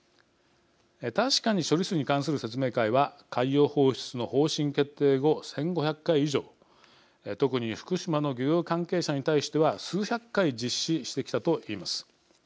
確かに処理水に関する説明会は海洋放出の方針決定後１５００回以上特に福島の漁業関係者に対しては数百回、実施してきたと言います。